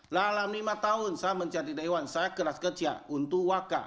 dalam lima tahun saya mencari dewan saya keras kerja untuk waka